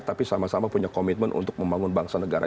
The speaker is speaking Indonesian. tapi sama sama punya komitmen untuk membangun bangsa negara